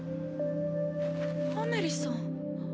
アメリさん？